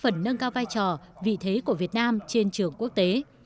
nam trên trường quốc tế